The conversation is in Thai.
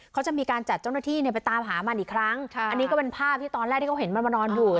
เขาจะมีการจัดเจ้าหน้าที่เนี่ยไปตามหามันอีกครั้งอันนี้ก็เป็นภาพที่ตอนแรกที่เขาเห็นมันมานอนอยู่